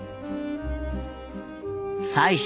妻子